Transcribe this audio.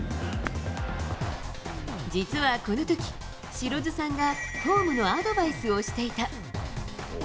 実はこのとき、白水さんがフォームのアドバイスをしていた。